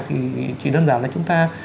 thì chỉ đơn giản là chúng ta